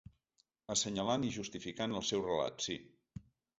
Assenyalant i justificant el seu relat, sí.